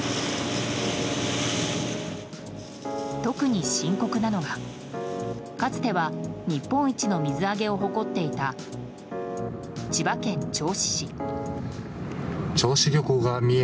特に深刻なのが、かつては日本一の水揚げを誇っていた千葉県銚子市。